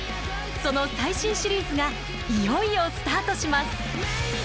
その最新シリーズがいよいよスタートします！